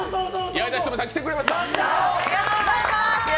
矢井田瞳さん、来てくれました！